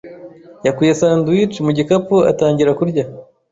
yakuye sandwich mu gikapu atangira kurya.